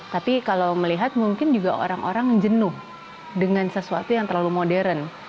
tapi kalau melihat mungkin juga orang orang jenuh dengan sesuatu yang terlalu modern